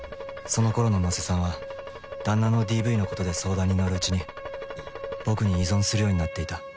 その頃の野瀬さんは旦那のＤＶの事で相談にのるうちに僕に依存するようになっていた。